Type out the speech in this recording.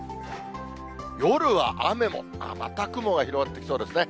夜は雨も、また雲が広がってきそうですね。